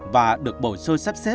và được bổ xôi sắp xếp